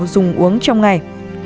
dùng uống trong ngày